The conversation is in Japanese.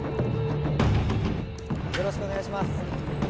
よろしくお願いします